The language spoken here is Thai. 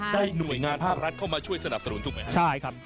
ได้หน่วยงานภาครัฐเข้ามาช่วยสนับสนุนถูกไหมครับใช่ครับ